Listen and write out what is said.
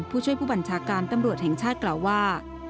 ผู้ช่วยผู้บัญชาการตำรวจแห่งชาติกล่าวว่า